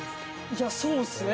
いやそうですね。